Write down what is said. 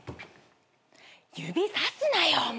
指さすなよ